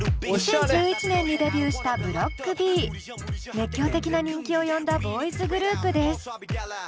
２０１１年にデビューした熱狂的な人気を呼んだボーイズグループです。